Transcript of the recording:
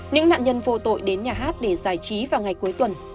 những nạn nhân vô tội đến nhà hát để giải trí vào ngày cuối tuần